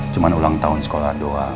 cuma ulang tahun sekolah doang